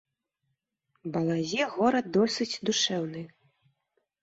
Балазе горад досыць душэўны.